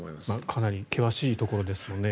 かなり険しいところですもんね。